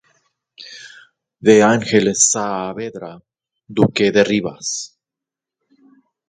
De Ángel Saavedra, duque de Rivas.